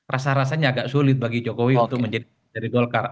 rasa rasanya agak sulit bagi jokowi untuk menjadi dari golkar